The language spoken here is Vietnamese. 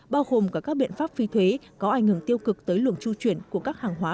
bao gồm cả các biện pháp phi thuế có ảnh hưởng tiêu cực tới lường tru chuyển của các hàng hóa